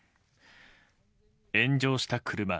炎上した車。